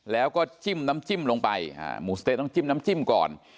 แล้วก็จิ้มน้ำจิ้มลงไปหมูสะเต๊ะต้องจิ้มน้ำจิ้มก่อน